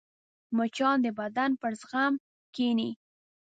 مچان د بدن پر زخم کښېني